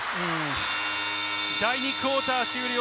第２クオーター終了。